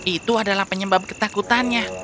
itu adalah penyebab ketakutannya